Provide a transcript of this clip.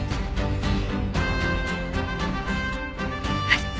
はい。